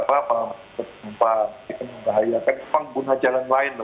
kan mumpang guna jalan lain lho